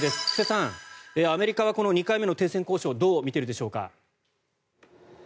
布施さん、アメリカはこの２回目の停戦交渉どう見ているでしょうか。